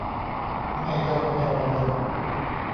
แม่เหย้าแม่เรือน